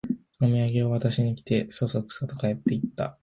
おみやげを渡しに来て、そそくさと帰っていった